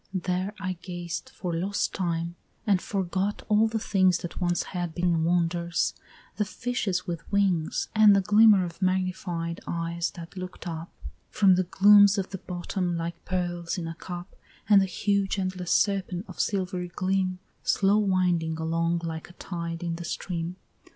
There I gazed for lost time, and forgot all the things That once had been wonders the fishes with wings, And the glimmer of magnified eyes that look'd up From the glooms of the bottom like pearls in a cup, And the huge endless serpent of silvery gleam, Slow winding along like a tide in the stream.